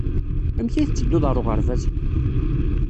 Amek ay tettedduḍ ɣer uɣerbaz?